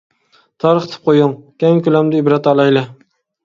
تارقىتىپ قويۇڭ، كەڭ كۆلەمدە ئىبرەت ئالايلى.